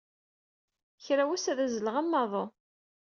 Kra n wass, ad azzleɣ am waḍu.